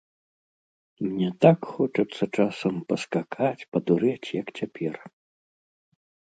Мне так хочацца часам паскакаць, падурэць, як цяпер!